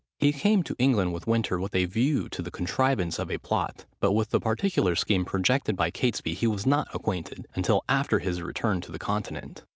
He came to England with Winter, with a view to the contrivance of a plot, but with the particular scheme projected by Catesby he was not acquainted, until after his return from the Continent.